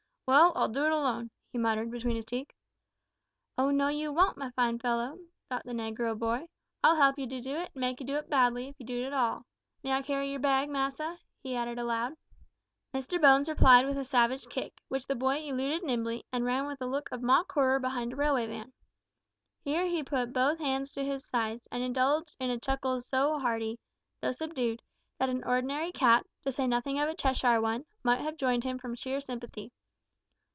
"Well, I'll do it alone," he muttered, between his teeth. "O no! you won't, my fine fellow," thought the negro boy; "I'll help you to do it, and make you do it badly, if you do it at all. May I carry your bag, massa?" he added, aloud. Mr Bones replied with a savage kick, which the boy eluded nimbly, and ran with a look of mock horror behind a railway van. Here he put both hands to his sides, and indulged in a chuckle so hearty though subdued that an ordinary cat, to say nothing of a Cheshire one, might have joined him from sheer sympathy.